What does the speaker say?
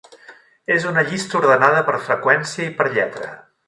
És una llista ordenada per freqüència i per lletra.